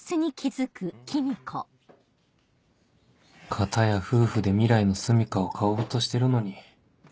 片や夫婦で未来のすみかを買おうとしてるのに